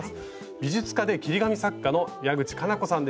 美術家で切り紙作家の矢口加奈子さんです。